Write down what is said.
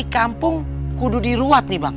kampung kudu diruat nih bang